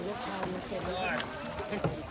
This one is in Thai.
สวัสดีครับทุกคน